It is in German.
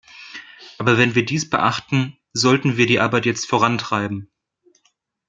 Aber wenn wir dies beachten, sollten wir die Arbeit jetzt vorantreiben.